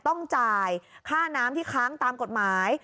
ต้องจ่ายค่าน้ำที่ค้างตามกฎหมาย